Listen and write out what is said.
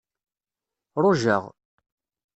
Ṛujaɣ.